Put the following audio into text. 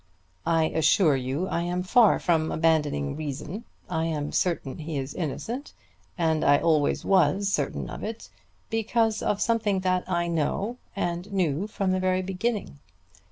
"I assure you I am far from abandoning reason. I am certain he is innocent, and I always was certain of it, because of something that I know, and knew from the very beginning.